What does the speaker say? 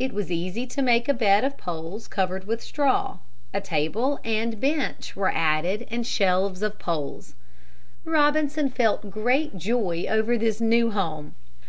It was easy to make a bed of poles covered with straw. A table and bench were added and shelves of poles. Robinson felt great joy over this new home.